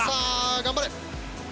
頑張れ。